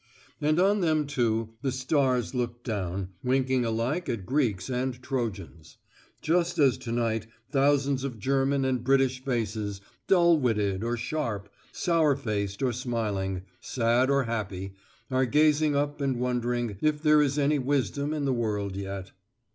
And on them, too, the stars looked down, winking alike at Greeks and Trojans; just as to night thousands of German and British faces, dull witted or sharp, sour faced or smiling, sad or happy, are gazing up and wondering if there is any wisdom in the world yet.